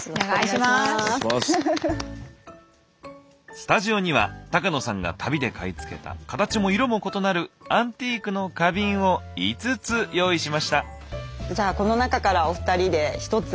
スタジオには高野さんが旅で買い付けたカタチも色も異なるアンティークの花瓶を５つ用意しました。